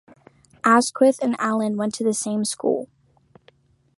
Asquith and Allen went to the same school.